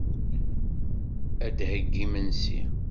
Ad d-theyyi imensi.